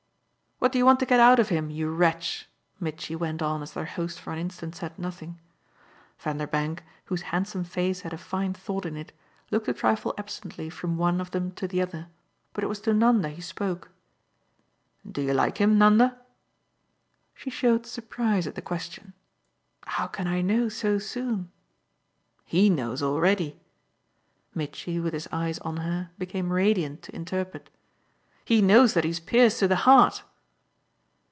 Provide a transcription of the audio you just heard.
"What do you want to get out of him, you wretch?" Mitchy went on as their host for an instant said nothing. Vanderbank, whose handsome face had a fine thought in it, looked a trifle absently from one of them to the other; but it was to Nanda he spoke. "Do you like him, Nanda?" She showed surprise at the question. "How can I know so soon?" "HE knows already." Mitchy, with his eyes on her, became radiant to interpret. "He knows that he's pierced to the heart!"